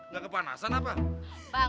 gak kepanasan apa